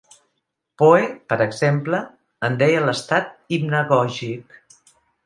Poe, per exemple, en deia l'estat hipnagògic.